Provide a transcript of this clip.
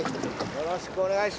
よろしくお願いします。